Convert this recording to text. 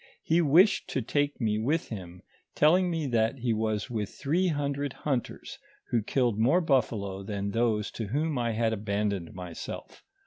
He wished to take me with him, telling me that he was with three hundred hiinters, who killed more buffalo than those to whom I had abandoned myself.